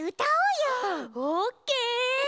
オッケー！